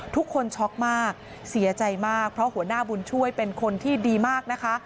ช็อกมากเสียใจมากเพราะหัวหน้าบุญช่วยเป็นคนที่ดีมากนะคะ